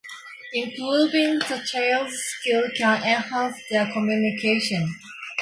Improving the child's skill can enhance their communication.